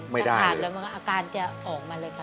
ถ้าขาดแล้วมันก็อาการจะออกมาเลยค่ะ